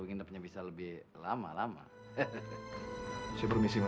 tetapnya bisa lebih lama lama hehehe seberapa sih mas